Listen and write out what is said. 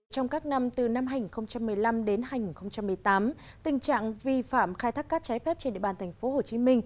trong các năm từ năm hai nghìn một mươi năm đến hành một mươi tám tình trạng vi phạm khai thác cát trái phép trên địa bàn tp hcm